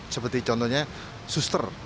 seperti contohnya suster